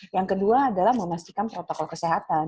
yang kedua adalah memastikan protokol kesehatan